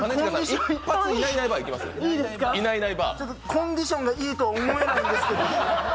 コンディションがいいと思えないんですけど。